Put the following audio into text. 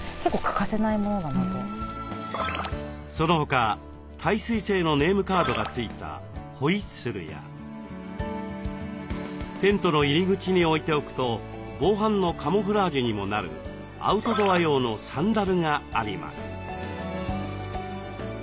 その他耐水性のネームカードが付いたホイッスルやテントの入り口に置いておくと防犯のカモフラージュにもなるアウトドア用のサンダルがあります。